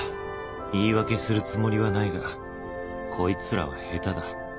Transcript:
言い訳するつもりはないがこいつらは下手だ。